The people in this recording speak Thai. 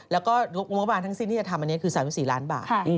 แล้วก็งบประมาณทั้งสิ้นที่จะทำอันนี้คือ๓๔ล้านบาท